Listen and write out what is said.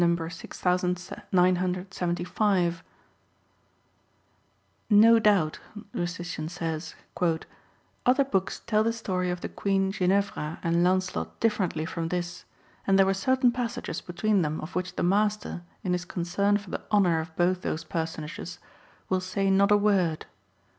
6975 — see last note but one) :—■" No doubt," Rustician says, " other books tell the story of the Queen Ginevra and Lancelot differently from this ; and there were certain passages between them of which the Master, in his concern for the honour of both those personages, will say not a word."